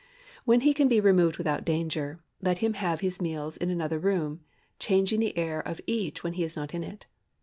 When he can be removed without danger, let him have his meals in another room, changing the air of each when he is not in it.